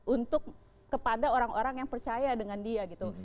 untuk kepada orang orang yang percaya dengan dia gitu